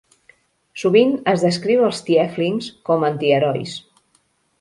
Sovint es descriu els tieflings com antiherois.